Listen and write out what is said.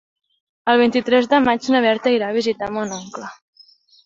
El vint-i-tres de maig na Berta irà a visitar mon oncle.